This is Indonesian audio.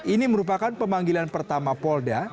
ini merupakan pemanggilan pertama polda